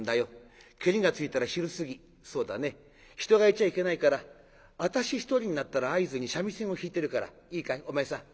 ケリがついたら昼過ぎそうだね人がいちゃいけないから私一人になったら合図に三味線を弾いてるからいいかいお前さん